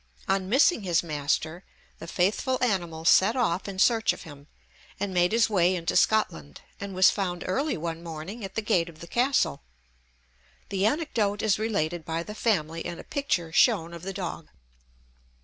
On missing his master, the faithful animal set off in search of him, and made his way into Scotland, and was found early one morning at the gate of the castle. The anecdote is related by the family, and a picture shown of the dog.